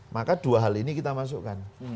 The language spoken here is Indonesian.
maka dua hal ini kita masukkan